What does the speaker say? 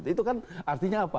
itu kan artinya apa